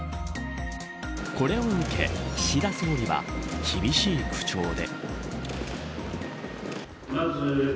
これを受け、岸田総理は厳しい口調で。